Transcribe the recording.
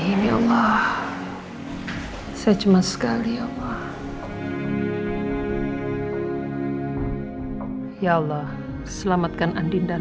astagfirullahaladzim ya allah saya cemas sekali ya allah ya allah selamatkan andi dan al